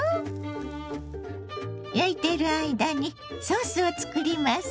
焼いている間にソースを作ります。